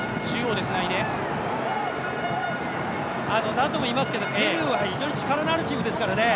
何度も言いますけどペルーは非常に力のあるチームですからね。